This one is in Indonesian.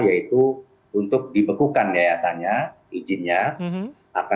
yaitu untuk dibekukan yayasannya izinnya